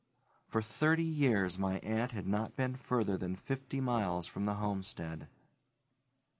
For thirty years my aunt had not been further than fifty miles from the homestead.